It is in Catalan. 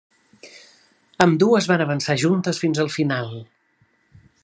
Ambdues van avançar juntes fins al final.